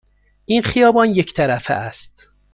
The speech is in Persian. این خیابان یک طرفه است.